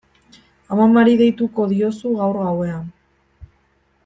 Amamari deituko diozu gaur gauean.